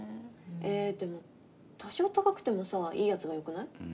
えでも多少高くてもさいいやつがよくない？